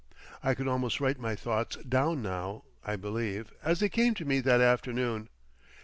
I could almost write my thought down now, I believe, as they came to me that afternoon.